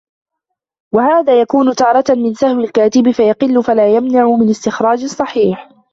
وَهَذَا يَكُونُ تَارَةً مِنْ سَهْوِ الْكَاتِبِ فَيَقِلُّ فَلَا يَمْنَعُ مِنْ اسْتِخْرَاجِ الصَّحِيحِ